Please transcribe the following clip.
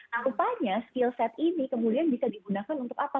nah rupanya skill set ini kemudian bisa digunakan untuk apa